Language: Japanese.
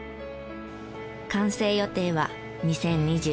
完成予定は２０２９年。